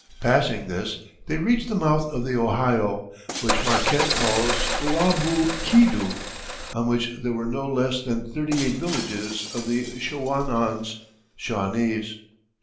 Passing this, they reached the mouth of the Ohio, which Marquette calls "Ouaboukidou," on which there were no less than thirty eight villages of the Chaouanons (Shawnees).